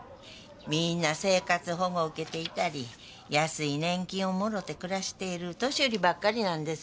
みんな生活保護受けていたり安い年金をもろうて暮らしている年寄りばっかりなんです。